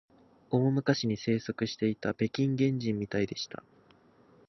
大昔に生息していた北京原人みたいでした